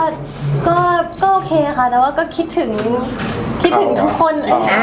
ดีนะคะก็โอเคค่ะแต่ว่าก็คิดถึงทุกคน